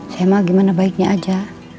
saya emang gimana baiknya aja